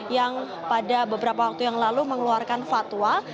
yang pada beberapa waktu yang lalu mengeluarkan fatwa